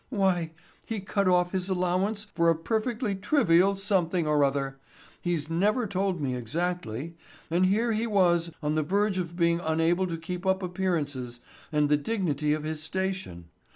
Why, he cut off his allowance for a perfectly trivial something or other—he's never told me exactly—and here he was on the verge of being unable to keep up appearances and the dignity of his station.